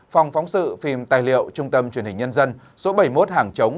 phòng phóng sự phim tài liệu trung tâm truyền hình nhân dân số bảy mươi một hàng chống